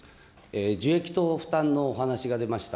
受益と負担のお話が出ました。